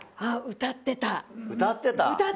歌ってた。